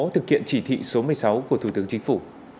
thực hiện chỉ thị số một mươi sáu của thủ tướng chính phủ